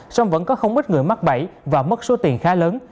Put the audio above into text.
song vẫn có không ít người mắc bẫy và mất số tiền khá lớn